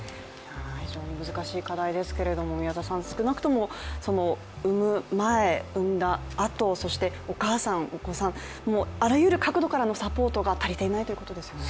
非常に難しい課題ですけれども、少なくとも生む前、生んだあとそしてお母さん、お子さん、あらゆる角度からのサポートが足りていないということですよね。